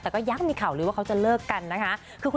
แต่ก็ยังมีข่าวเลยว่าเขาจะเลิกกันนะคะ